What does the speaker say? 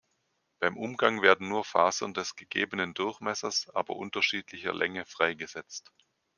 Beim Umgang werden nur Fasern des gegebenen Durchmessers, aber unterschiedlicher Länge freigesetzt.